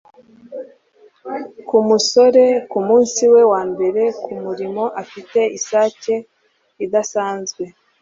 Ku musore kumunsi we wa mbere kumurimo afite isake idasanzwe